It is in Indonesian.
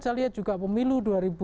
saya lihat juga pemilu dua ribu sembilan